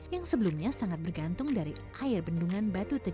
yang sebelumnya sangat bergantung dari air bendungan batu tegal